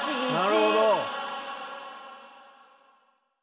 なるほど。